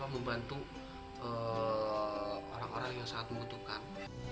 membantu orang orang yang sangat membutuhkan